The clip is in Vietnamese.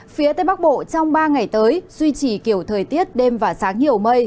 phía tây bắc bộ trong ba ngày tới duy trì kiểu thời tiết đêm và sáng nhiều mây